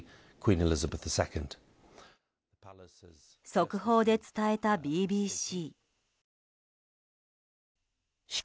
速報で伝えたＢＢＣ。